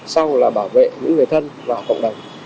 sau là bảo vệ những người thân và cộng đồng